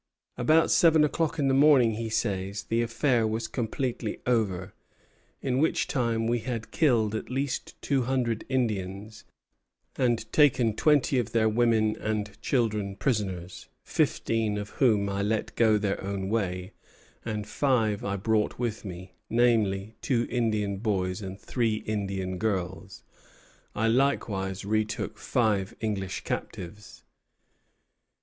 "About seven o'clock in the morning," he says, "the affair was completely over, in which time we had killed at least two hundred Indians and taken twenty of their women and children prisoners, fifteen of whom I let go their own way, and five I brought with me, namely, two Indian boys and three Indian girls. I likewise retook five English captives."